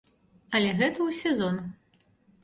Але гэта ў сезон.